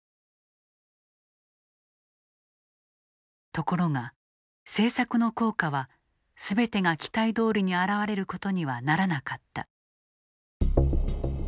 ところが政策の効果はすべてが期待どおりに表れることにはならなかった。